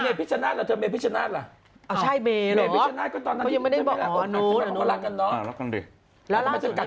ไม่ใช่ฉันก็ดูว่าเพื่อนทำอะไรกัน